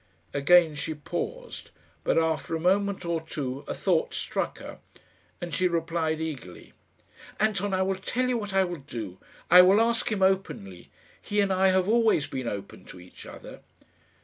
Again she paused, but after a moment or two a thought struck her, and she replied eagerly, "Anton, I will tell you what I will do. I will ask him openly. He and I have always been open to each other."